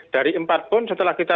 dari empat pun setelah kita